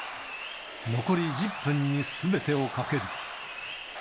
残り１０分にすべてをかける。